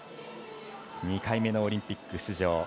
２回目のオリンピック出場。